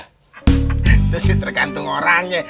itu sih tergantung orangnya